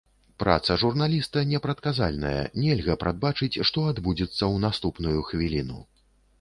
Праца журналіста непрадказальная, нельга прадбачыць, што адбудзецца ў наступную хвіліну.